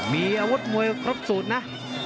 มีอาวุธมวยครบสูตรนะ